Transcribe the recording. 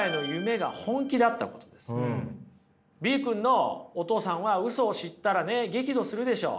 Ｂ君のお父さんはウソを知ったらね激怒するでしょう。